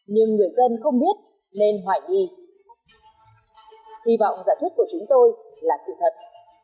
nhưng người dân không biết nên hoài nghi hi vọng giả thuyết của chúng tôi là sự thật